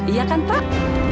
iya kan pak